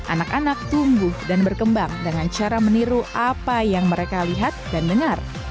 anak anak tumbuh dan berkembang dengan cara meniru apa yang mereka lihat dan dengar